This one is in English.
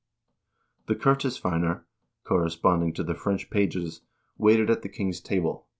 The kertisveinar,4 corresponding to the French pages, waited at the king's 1 See L.